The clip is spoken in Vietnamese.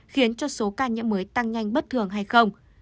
khiến cho số ca nhiễm mới tăng nhanh bất thường hay không